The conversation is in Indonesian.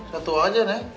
satu aja neng